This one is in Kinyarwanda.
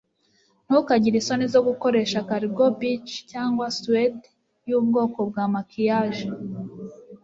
Ntukagire isoni zo gukoresha Cargo Beach cyangwa Suede y'ubwoko bwa maquillage